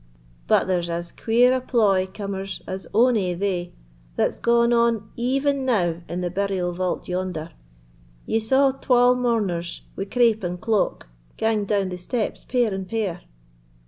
But there's as queer a ploy, cummers, as ony o' thae, that's gaun on even now in the burial vault yonder: ye saw twall mourners, wi' crape and cloak, gang down the steps pair and pair!"